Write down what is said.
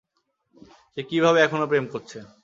সে কীভাবে এখনও তোর প্রেম করছে?